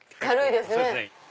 軽いですね。